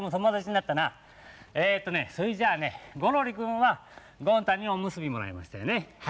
それじゃゴロリくんはゴン太におむすびもらいましたよね。